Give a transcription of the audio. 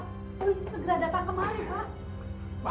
terus segera datang kemari pak